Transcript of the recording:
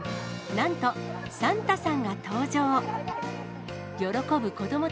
なんとサンタさんが登場。